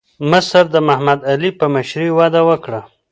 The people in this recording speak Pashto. مصر د محمد علي په مشرۍ وده وکړه.